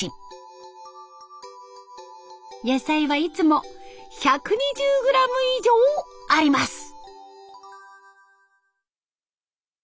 野菜はいつも１２０グラム以上あります。